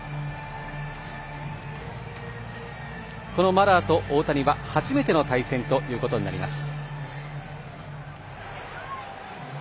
マラーと大谷は初めての対戦となります。